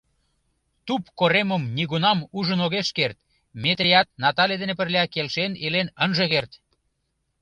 Туп коремым нигунам ужын огеш керт, Метрият Натале дене пырля келшен илен ынже керт!